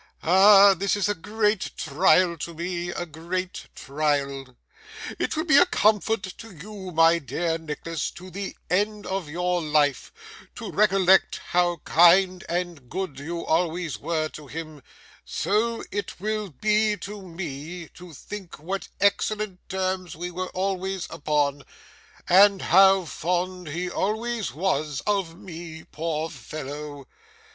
Ah! This is a great trial to me, a great trial. It will be comfort to you, my dear Nicholas, to the end of your life, to recollect how kind and good you always were to him so it will be to me, to think what excellent terms we were always upon, and how fond he always was of me, poor fellow!